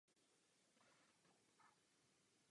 V Komisi tomuto přístupu pevně věříme.